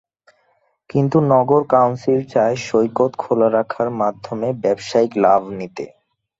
কিন্তু নগর কাউন্সিল চায় সৈকত খোলা রাখার মাধ্যমে ব্যবসায়িক লাভ নিতে।